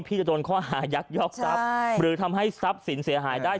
จะโดนข้อหายักยอกทรัพย์หรือทำให้ทรัพย์สินเสียหายได้